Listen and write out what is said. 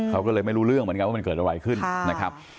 เขาก็เลยไม่รู้เรื่องเหมือนกันว่ามันเกิดอะไรขึ้นนะครับ